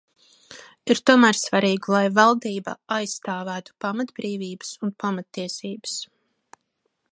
Ir tomēr svarīgi, lai valdība aizstāvētu pamatbrīvības un pamattiesības.